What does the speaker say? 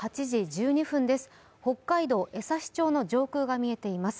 北海道江差町の上空が見えています。